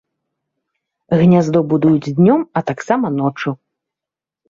Гняздо будуюць днём, а таксама ноччу.